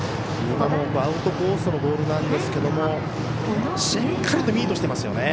今もアウトコースのボールなんですがしっかりとミートしていますよね。